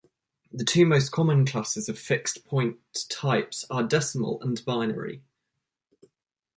The two most common classes of fixed-point types are decimal and binary.